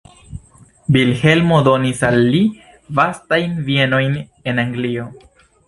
Vilhelmo donis al li vastajn bienojn en Anglio.